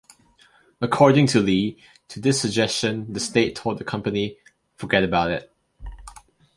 According to Lee, to this suggestion the state told the company, "Forget about it".